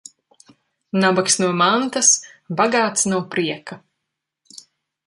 Nabags no mantas, bagāts no prieka.